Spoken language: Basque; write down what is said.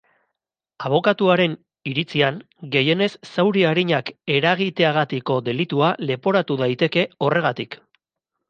Abokaturen iritzian, gehienez zauri arinak eragiteagatiko delitua leporatu daiteke horregatik.